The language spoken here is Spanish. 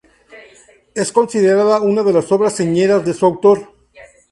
Es considerada una de las obras señeras de su autor.